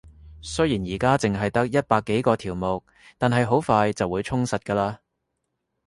雖然而家淨係得一百幾個條目，但係好快就會充實㗎喇